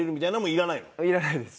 いらないです。